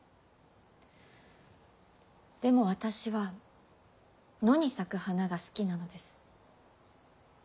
でも私は野に咲く花が好きなのです。